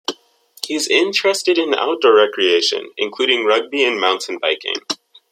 He is interested in outdoor recreation, including rugby and mountain biking.